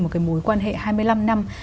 một mối quan hệ hai mươi năm năm